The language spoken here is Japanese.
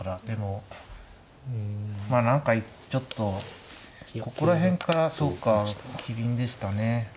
でもまあ何かちょっとここら辺からそうか機敏でしたね。